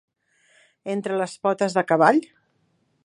Entre les potes del cavall.